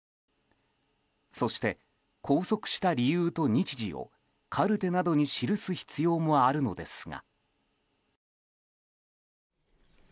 そして、拘束した理由と日時をカルテなどに記す必要もあるのですが。